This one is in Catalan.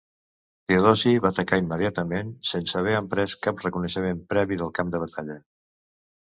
Teodosi va atacar immediatament, sense haver emprès cap reconeixement previ del camp de batalla.